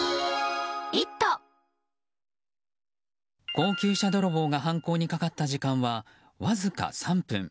高級車泥棒が犯行にかかった時間はわずか３分。